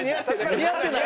似合ってない！